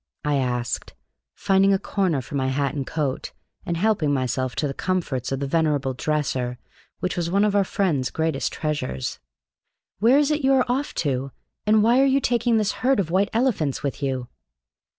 I asked, finding a corner for my hat and coat, and helping myself to the comforts of the venerable dresser which was one of our friend's greatest treasures. "Where is it you are off to, and why are you taking this herd of white elephants with you?"